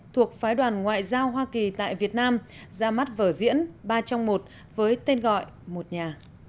thuộc phái đoàn ngoại giao hoa kỳ tại việt nam ra mắt vở diễn ba trong một với tên gọi một nhà